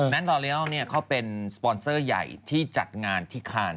รอเรียลเขาเป็นสปอนเซอร์ใหญ่ที่จัดงานที่คาน